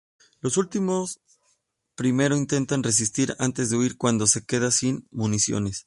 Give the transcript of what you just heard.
Los últimos primero intentan resistir, antes de huir cuando se quedan sin municiones.